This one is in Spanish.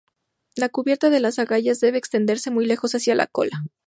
La cubierta de las agallas debe extenderse muy lejos hacia la cola.